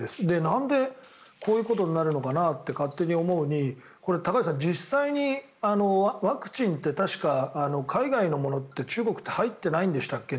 なんでこういうことになるのかなって勝手に思うに高橋さん、実際にワクチンって確か、海外のものって中国って入ってないんでしたっけ？